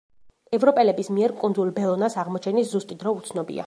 ევროპელების მიერ კუნძულ ბელონას აღმოჩენის ზუსტი დრო უცნობია.